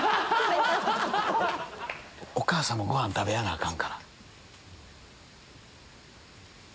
お母さんもごはん食べなアカンから。